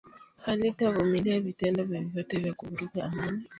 halitavumilia vitendo vyovyote vya kuvuruga amani